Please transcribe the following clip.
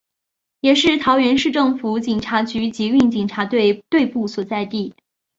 也是桃园市政府警察局捷运警察队队部所在地。